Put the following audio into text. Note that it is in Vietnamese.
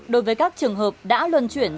đối với các trường hợp đã luân chuyển